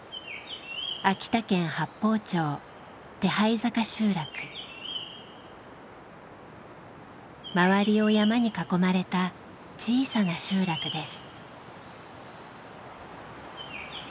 秋田県八峰町周りを山に囲まれた小さな集落です。